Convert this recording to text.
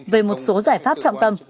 về một số giải pháp trọng tâm